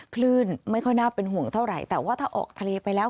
คลื่นไม่ค่อยน่าเป็นห่วงเท่าไหร่แต่ว่าถ้าออกทะเลไปแล้ว